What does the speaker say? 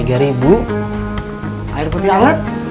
air putih alat